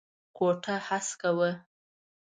کوټه هسکه وه.